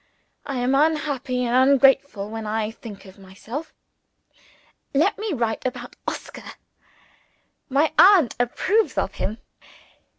I am unhappy and ungrateful when I think of myself. Let me write about Oscar. My aunt approves of him.